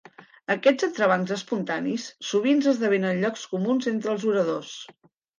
Aquests entrebancs espontanis sovint esdevenen llocs comuns entre els oradors.